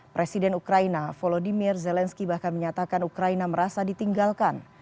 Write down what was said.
presiden ukraina volodymyr zelensky bahkan menyatakan ukraina merasa ditinggalkan